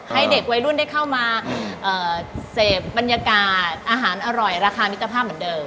ให้เด็กวัยรุ่นได้เข้ามาเสพบรรยากาศอาหารอร่อยราคามิตรภาพเหมือนเดิม